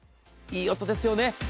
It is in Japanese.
いい音ですよね。